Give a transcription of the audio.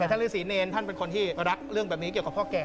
แต่ท่านฤษีเนรท่านเป็นคนที่รักเรื่องแบบนี้เกี่ยวกับพ่อแก่